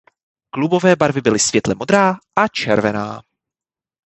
Klubové barvy byly světle modrá a červená.